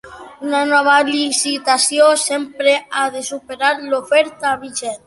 Una nova licitació sempre ha de superar l'oferta vigent.